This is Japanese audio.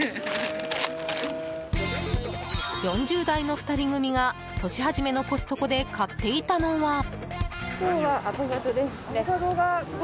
４０代の２人組が、年初めのコストコで買っていたのは。